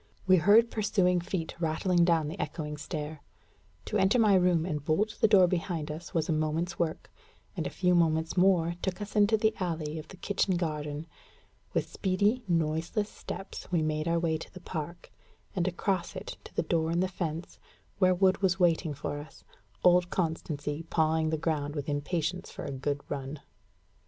We heard pursuing feet rattling down the echoing stair. To enter my room and bolt the door behind us was a moment's work; and a few moments more took us into the alley of the kitchen garden. With speedy, noiseless steps, we made our way to the park, and across it to the door in the fence, where Wood was waiting for us, old Constancy pawing the ground with impatience for a good run.